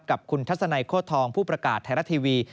กับคุณทัศนัยโคตรทองผู้ประกาศไทยรัฐทีวี